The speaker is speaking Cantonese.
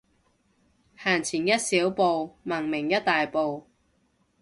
行前一小步，文明一大步